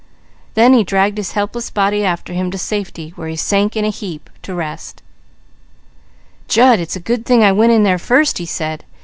Then he dragged his helpless body after him to safety, where he sank in a heap to rest. "Jud, it's a good thing I went in there first," he said.